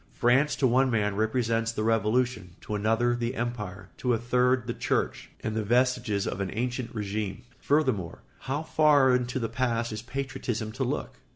France to one man represents the Revolution, to another the Empire, to a third the Church, and the vestiges of the ancien régime. Furthermore, how far into the past is patriotism to look?